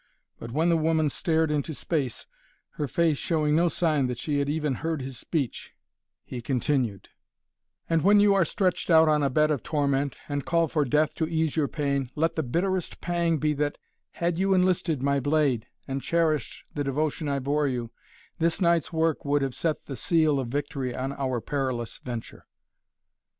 But when the woman stared into space, her face showing no sign that she had even heard his speech, he continued: "And when you are stretched out on a bed of torment and call for death to ease your pain, let the bitterest pang be that, had you enlisted my blade and cherished the devotion I bore you, this night's work would have set the seal of victory on our perilous venture."